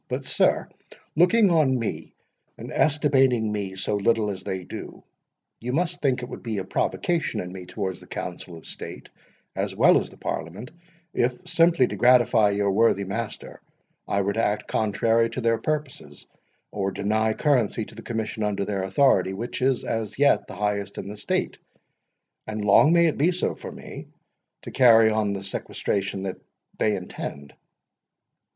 But, sir, looking on me, and estimating me so little as they do, you must think that it would be a provocation in me towards the Council of State, as well as the Parliament, if, simply to gratify your worthy master, I were to act contrary to their purposes, or deny currency to the commission under their authority, which is as yet the highest in the State—and long may it be so for me!—to carry on the sequestration which they intend.